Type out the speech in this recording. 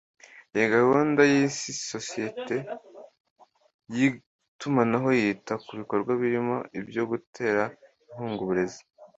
Iyi gahunda y’isi sosiyete y’itumanaho yita ku bikorwa birimo ibyo gutera nkunga uburezi